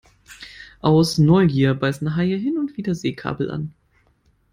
Aus Neugier beißen Haie hin und wieder Seekabel an.